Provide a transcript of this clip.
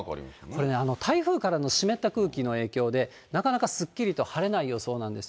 これ、台風からの湿った空気の影響で、なかなかすっきりと晴れない予想なんです。